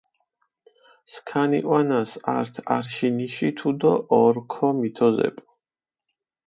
სქანი ჸვანას ართ არშინიში თუდო ორქო მითოზეპუ.